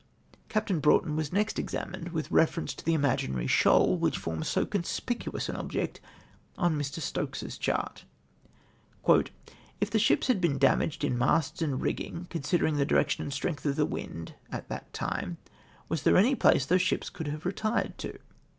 Captain Broughton was next examined with reference to the imaginary shoal, which forms so conspicuous an object on Mr. Stokes's chart (C). " If the ships had been damaged in masts and rigging, * Scu vol. i. l>:ige o 12. r 2 68 ENEMY UNABLE TO FIGHT THEIU GUNS. considering the direction and strength of the wind at that time, was there any place those ships could have retired to